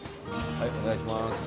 はいお願いします。